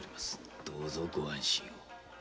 〔どうぞご安心を〕